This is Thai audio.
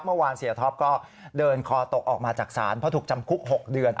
เมื่อวานเสียท็อปก็เดินคอตกออกมาจากศาลเพราะถูกจำคุก๖เดือน